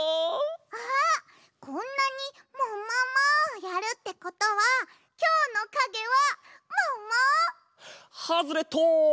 あっこんなに「ももも！」をやるってことはきょうのかげはもも？ハズレット！